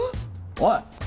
おい！